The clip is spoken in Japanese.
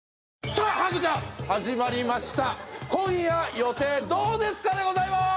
さあハコちゃん始まりました「今夜予定どうですか？」でございます！